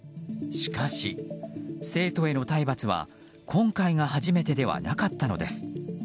しかし、生徒への体罰は今回が初めてではなかったのです。